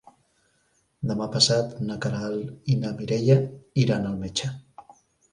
Demà passat na Queralt i na Mireia iran al metge.